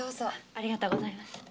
ありがとうございます。